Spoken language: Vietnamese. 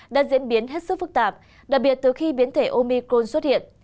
đã diễn biến hết sức phức tạp đặc biệt từ khi biến thể omicon xuất hiện